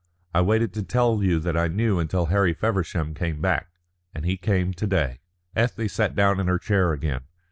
I waited to tell you that I knew until Harry Feversham came back, and he came to day." Ethne sat down in her chair again.